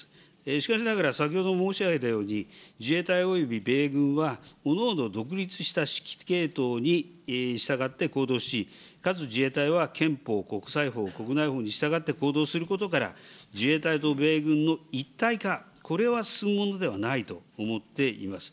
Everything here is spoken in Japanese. しかしながら、先ほど申し上げたように、自衛隊および米軍は、おのおの独立した指揮系統に従って行動し、かつ自衛隊は憲法、国際法、国内法に従って行動することから、自衛隊と米軍の一体化、これは進むものではないと思っています。